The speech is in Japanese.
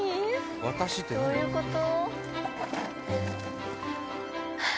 どういうこと？